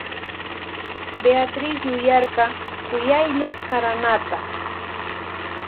Beatriz yuyarka kuyaylla karanata.